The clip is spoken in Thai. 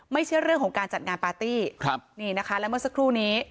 ไม่ใช่เรื่องของการจัดงานปาร์ตี้ครับนี่นะคะและเมื่อสักครู่นี้